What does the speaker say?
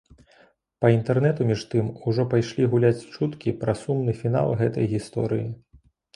Па інтэрнэту, між тым, ужо пайшлі гуляць чуткі пра сумны фінал гэтай гісторыі.